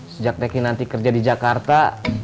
sejak teki nanti kerja di jakarta